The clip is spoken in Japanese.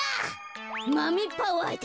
マメパワーだ。